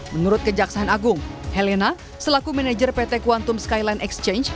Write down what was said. menurut kejaksaan agung helena selaku manajer pt kuantum skyline exchange